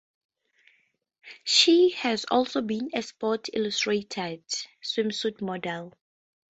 She has also been a "Sports Illustrated" swimsuit model.